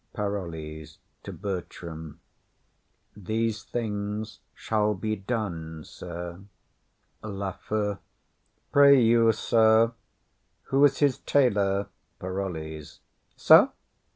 PAROLLES. [To Bertram.] These things shall be done, sir. LAFEW. Pray you, sir, who's his tailor? PAROLLES. Sir!